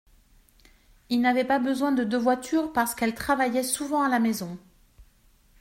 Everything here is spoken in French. Ils n’avaient pas besoin de deux voitures parce qu’elle travaillait souvent à la maison.